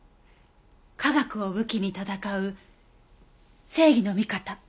科学を武器に戦う正義の味方。